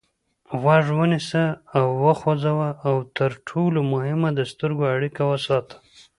غوږ ونیسه سر وخوځوه او تر ټولو مهمه د سترګو اړیکه وساته.